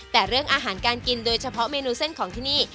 แต่เรื่องอาหารการกินโดยเฉพาะเมนูเส้นของที่นี่